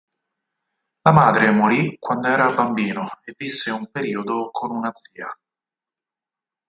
La madre morì quando era bambino, e visse un periodo con una zia.